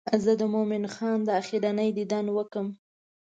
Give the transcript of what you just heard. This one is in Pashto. زه د مومن خان دا آخرنی دیدن وکړم.